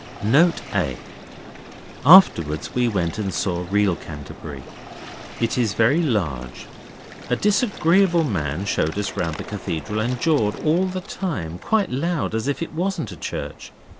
Note A. Afterwards we went and saw real Canterbury. It is very large. A disagreeable man showed us round the cathedral, and jawed all the time quite loud as if it wasn't a church.